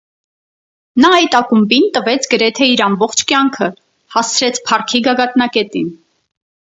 Նա այդ ակումբին տվեց գրեթե իր ամբողջ կյանքը, հասցրեց փառքի գագաթնակետին։